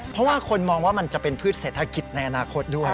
เพราะว่าคนมองว่ามันจะเป็นพืชเศรษฐกิจในอนาคตด้วย